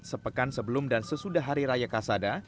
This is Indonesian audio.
sepekan sebelum dan sesudah hari raya kasada